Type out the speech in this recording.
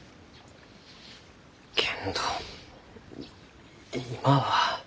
けんど今は。